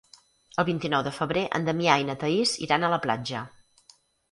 El vint-i-nou de febrer en Damià i na Thaís iran a la platja.